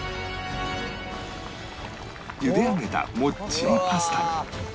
茹で上げたもっちりパスタに